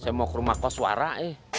saya mau ke rumah kos warah ya